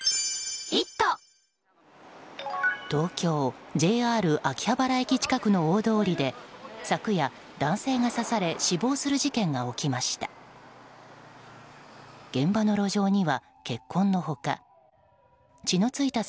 東京・ＪＲ秋葉原駅近くの大通りで昨夜、男性が刺され死亡する事件が起きました。